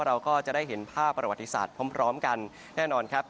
เราก็จะได้เห็นภาพประวัติศาสตร์พร้อมกันแน่นอนครับ